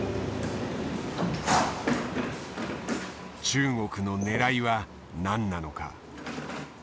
中国のねらいは何なのか？